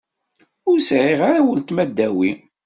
Ur sɛiɣ ara uletma ddaw-i.